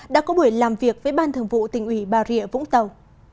đã có buổi làm việc với ban thường vụ tỉnh ủy bà rịa vũng tàu